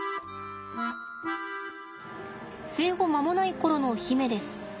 生後間もない頃の媛です。